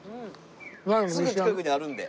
すぐ近くにあるんで。